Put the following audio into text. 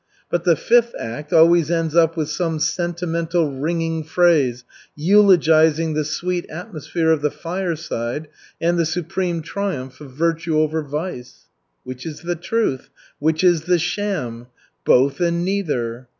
But the fifth act always ends up with some sentimental ringing phrase eulogizing the sweet atmosphere of the fireside and the supreme triumph of virtue over vice. Which is the truth? Which is the sham? Both and neither.